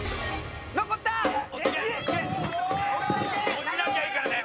落ちなきゃいいからね。